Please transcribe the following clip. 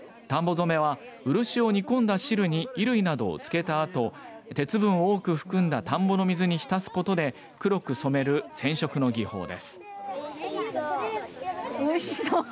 漆を煮込んだ汁に衣類などをつけたあと水分を多く含んだ田んぼの水に浸すことで黒く染める染色の技法です。